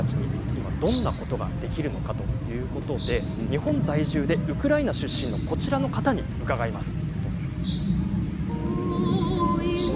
今、どんなことができるのか日本在住でウクライナ出身のこちらの方に伺います。